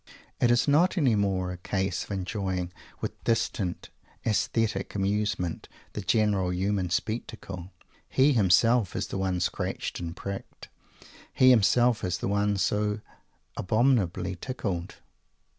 It is not any more a case of enjoying with distant aesthetic amusement the general human spectacle. He himself is the one scratched and pricked. He himself is the one so abominably tickled.